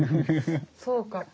そうか。